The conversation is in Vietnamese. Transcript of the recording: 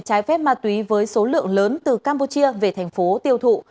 trái phép ma túy với số lượng lớn từ campuchia về tp hcm tiêu thụ